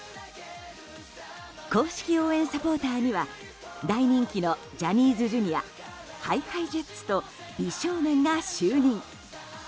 公式応援サポーターには大人気のジャニーズＪｒ．ＨｉＨｉＪｅｔｓと美少年が就任。